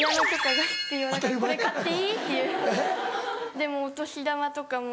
でもお年玉とかも。